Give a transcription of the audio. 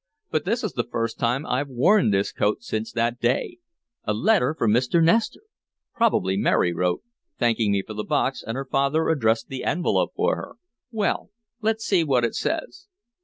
But this is the first time I've worn this coat since that day. A letter from Mr. Nestor! Probably Mary wrote, thanking me for the box, and her father addressed the envelope for her. Well, let's see what it says."